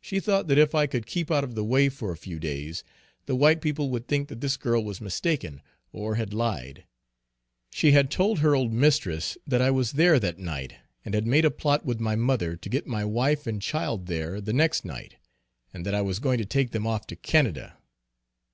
She thought that if I could keep out of the way for a few days, the white people would think that this girl was mistaken, or had lied. She had told her old mistress that I was there that night, and had made a plot with my mother to get my wife and child there the next night, and that I was going to take them off to Canada.